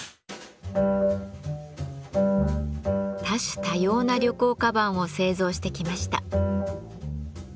多種多様な旅行鞄を製造してきました。